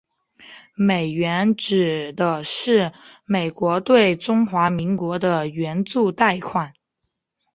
美援指的是美国对中华民国的援助贷款。